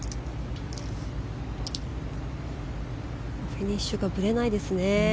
フィニッシュがぶれないですね。